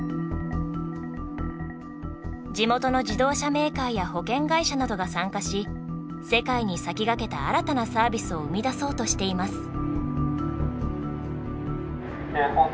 地元の自動車メーカーや保険会社などが参加し世界に先駆けた新たなサービスを生み出そうとしています。